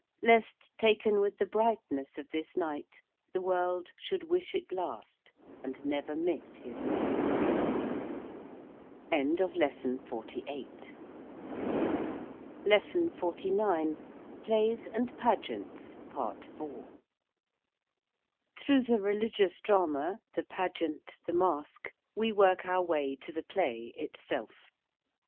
Lest, taken with the brightness of this night, The world should wish it last and never miss his light. 49. PLAYS AND PAGEANTS. PART IV. Through the Religious Drama, the Pageant, the Masque, we work our way to the Play itself.